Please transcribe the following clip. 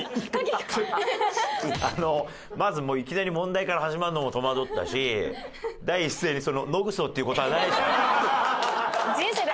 あのまずいきなり問題から始まるのも戸惑ったし第一声にその「野糞」って言う事はないでしょ？